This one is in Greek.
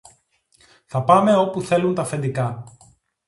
Θα πάμε όπου θέλουν τ' αφεντικά.